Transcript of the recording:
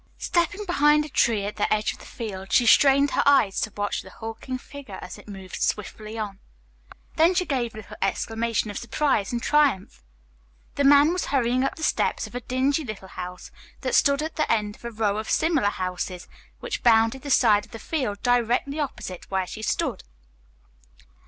Stepping behind a tree at the edge of the field she strained her eyes to watch the hulking figure as it moved swiftly on. Then she gave a little exclamation of surprise and triumph. The man was hurrying up the steps of a dingy little house that stood at the end of a row of similar houses which bounded the side of the field directly opposite where she stood.